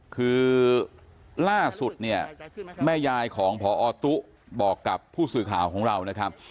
ทุกผู้ชมพอตุ๊ะบอกกับผู้สื่อข่าวของเรานะครับ